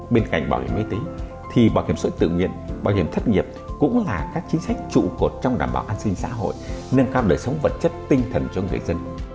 bên cạnh bảo kiểm y tế thì bảo kiểm sở tự nguyện bảo kiểm thất nhiệp cũng là các chính sách trụ cột trong đảm bảo an sinh xã hội nâng cao lời sống vật chất tinh thần cho người dân